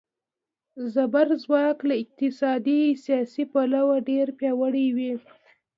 زبرځواک له اقتصادي، سیاسي پلوه ډېر پیاوړي وي.